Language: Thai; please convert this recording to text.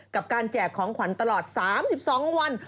กับการแจกของขวัญตลอด๓๒วัน